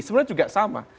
sebenarnya juga sama